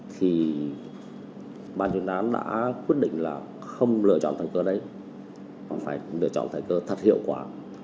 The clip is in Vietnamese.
thì ban chuyên án đã quyết định là không lựa chọn thời cơ đấy phải lựa chọn thời cơ thật hiệu quả